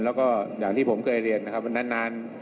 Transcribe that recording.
แล้วก็อย่างที่ผมเคยเรียนนะครับนาน